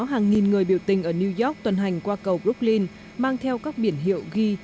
hàng nghìn người biểu tình ở new york tuần hành qua cầu broopllin mang theo các biển hiệu ghi